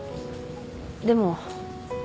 でも。